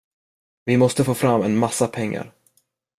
Vi måste få fram en massa pengar.